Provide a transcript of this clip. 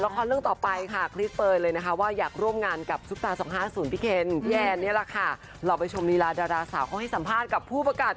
ข่าวสาวเจ๊กรีนใครสวดใครสวดกับกัน